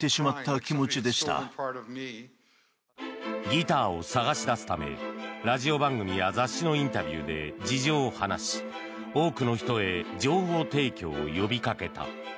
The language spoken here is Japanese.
ギターを探し出すためラジオ番組や雑誌のインタビューで事情を話し、多くの人へ情報提供を呼びかけた。